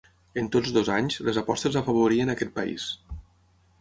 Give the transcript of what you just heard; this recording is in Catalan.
En tots dos anys, les apostes afavorien aquest país.